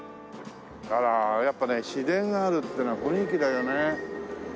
あらやっぱね市電があるってのは雰囲気だよね。